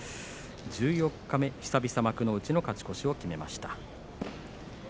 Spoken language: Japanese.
十四日目、久々幕内の勝ち越しを決めました。